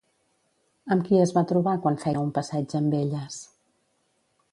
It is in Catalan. Amb qui es va trobar quan feia un passeig amb elles?